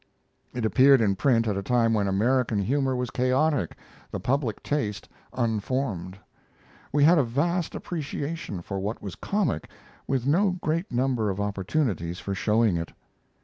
It appeared in print at a time when American humor was chaotic, the public taste unformed. We had a vast appreciation for what was comic, with no great number of opportunities for showing it.